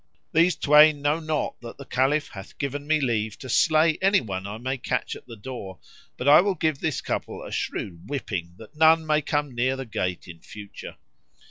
These twain know not that the Caliph hath given me leave to slay anyone I may catch at the door; but I will give this couple a shrewd whipping, that none may come near the gate in future."